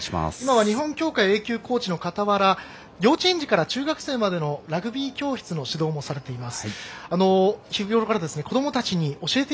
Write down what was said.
今は日本協会Ａ級コーチで現在は幼稚園児から中学生までのラグビー教室の指導もされています。